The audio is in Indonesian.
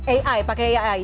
ai pakai ai